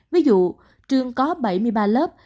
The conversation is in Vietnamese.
ví dụ trường có bảy mươi ba lớp